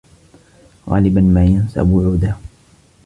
غالبا ما ينسى وعوده.